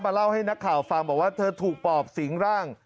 เล่าให้นักข่าวฟังบอกว่าเธอถูกปอบสิงร่าง